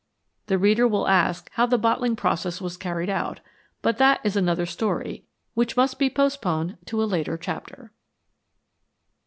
The reader will ask how the bottling process was carried out ; but that is another story, which must be postponed to a later chapter.